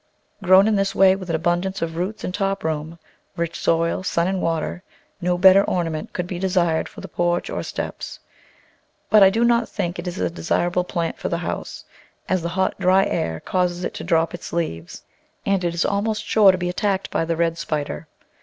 Grown in this way, with an abundance of roots and top room, rich soil, sun, and water, no better ornament could be desired for the porch or steps; but I do not think it a desirable plant for the house, as the hot, dry air causes it to drop its leaves, and it is almost sure to be attacked by the red spider.